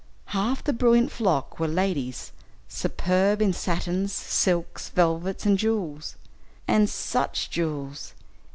Half the brilliant flock were ladies, superb in satins, silks, velvets and jewels. And such jewels!